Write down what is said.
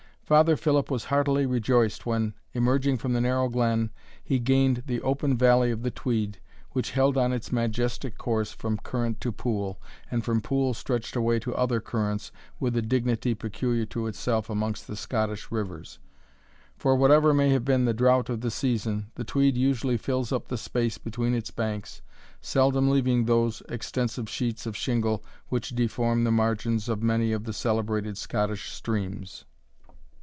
Father Philip was heartily rejoiced, when, emerging from the narrow glen, he gained the open valley of the Tweed, which held on its majestic course from current to pool, and from pool stretched away to other currents, with a dignity peculiar to itself amongst the Scottish rivers; for whatever may have been the drought of the season, the Tweed usually fills up the space between its banks, seldom leaving those extensive sheets of shingle which deform the margins of many of the celebrated Scottish streams.